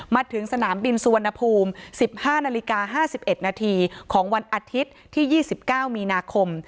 มาถึงสนามบินสุวรรณภูมิสิบห้านาฬิกาห้าสิบเอ็ดนาทีของวันอาทิตย์ที่ยี่สิบเก้ามีนาคม